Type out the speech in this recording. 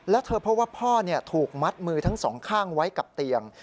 แล้วเธอพบว่าพ่อถูกมัดมือทั้งสองข้างไว้กับเตียง